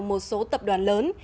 một số tập đoàn lớn